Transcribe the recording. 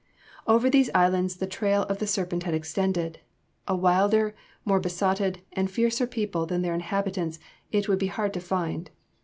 Over these islands the trail of the Serpent has extended. A wilder, more besotted, and fiercer people than their inhabitants it would be hard to find.